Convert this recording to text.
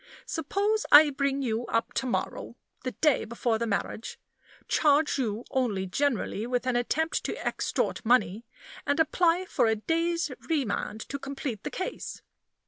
Suppose I bring you up to morrow the day before the marriage charge you only generally with an attempt to extort money, and apply for a day's remand to complete the case?